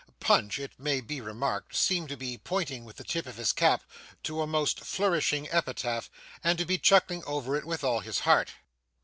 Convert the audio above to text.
(Punch, it may be remarked, seemed to be pointing with the tip of his cap to a most flourishing epitaph, and to be chuckling over it with all his heart.)